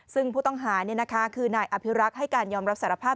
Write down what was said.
ซึ่งผู้ต้องหาคือนายอภิรักษ์ให้การยอมรับสารภาพ